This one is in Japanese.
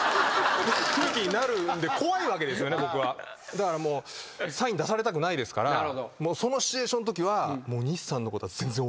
だからもうサイン出されたくないですからそのシチュエーションのときは。